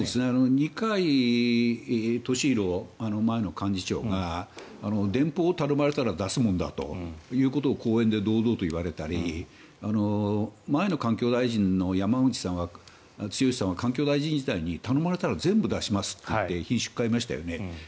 二階俊博前幹事長が電報を頼まれたら出すものだということを講演で堂々と言われたり前の環境大臣の山口壯さんは環境大臣時代に頼まれたら全部出しますと言ってひんしゅくを買いましたよね。